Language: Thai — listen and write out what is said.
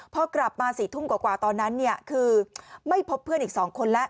พอกลับมา๔ทุ่มกว่าตอนนั้นคือไม่พบเพื่อนอีก๒คนแล้ว